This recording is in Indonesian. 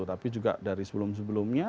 tapi juga dari sebelum sebelumnya